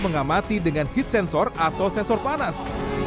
mengamati dengan heat sensor atau sensor panas